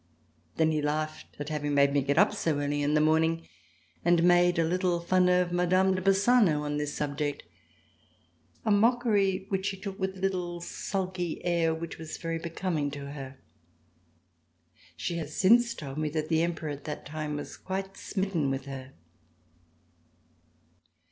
Then he laughed at having made me get up so early in the morning and made a little fun of Mme. de Bassano on this subject, a mockery which she took with a little sulky air which was very becoming to her. She has since told me that the Emperor at that time was quite smitten with her.